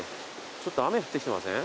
ちょっと雨降ってきてません？